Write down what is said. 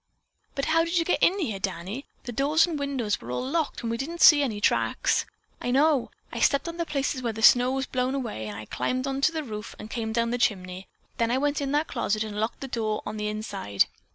"But how did you get in here, Danny? The doors and windows were all locked and we didn't see any tracks." "I know! I stepped on the places where the snow was blown away and I climbed to the roof and came down the chimney. Then I went in that closet and locked the door on the inside.